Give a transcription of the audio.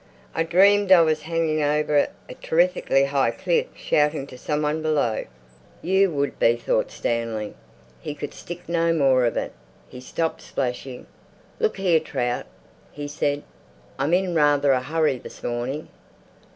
"I dreamed I was hanging over a terrifically high cliff, shouting to some one below." You would be! thought Stanley. He could stick no more of it. He stopped splashing. "Look here, Trout," he said, "I'm in rather a hurry this morning."